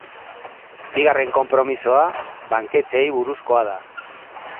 Bigarren konpromisoa banketxeei buruzkoa da.